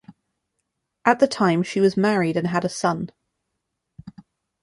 At the time she was married and had a son.